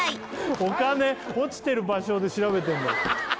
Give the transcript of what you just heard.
「お金落ちてる場所」で調べてんの？